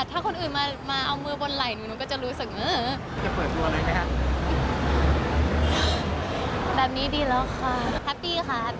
ถ้าหนูบอกว่าเก็บไว้เป็นความลับโอเคไหมคะ